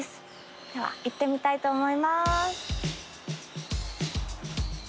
では行ってみたいと思います。